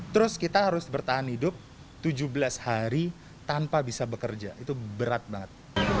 terus kita harus bertahan hidup tujuh belas hari tanpa bisa bekerja itu berat banget